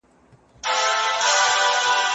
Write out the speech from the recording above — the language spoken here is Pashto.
ولي خلګ په کندهار کي صنعت ته مخه کوي؟